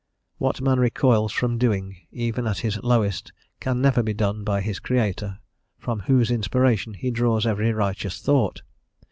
What man recoils from doing, even at his lowest, can never be done by his Creator, from whose inspiration he draws every righteous thought.